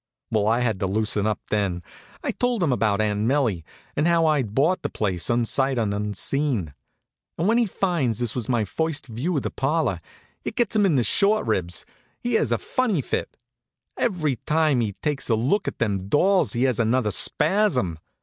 Well, I had to loosen up then. I told him about Aunt 'Melie, and how I'd bought the place unsight and unseen. And when he finds this was my first view of the parlor it gets him in the short ribs. He has a funny fit. Every time he takes a look at them dolls he has another spasm.